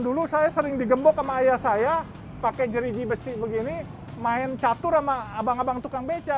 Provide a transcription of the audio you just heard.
dulu saya sering digembok sama ayah saya pakai jeriji besi begini main catur sama abang abang tukang beca